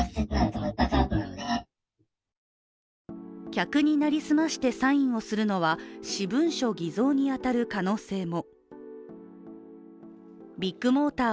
客に成り済ましてサインをするのは私文書偽造に当たる可能性も。